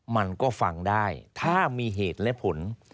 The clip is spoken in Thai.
มันก็ฟังได้ถ้ามีเหตุและผล